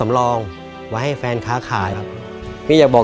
รายการต่อไปนี้เป็นรายการทั่วไปสามารถรับชมได้ทุกวัย